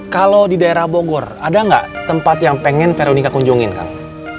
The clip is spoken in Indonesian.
kalau di daerah bogor ada nggak tempat yang pengen veronika kunjungin kang